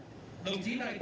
đồng chí lê hồng anh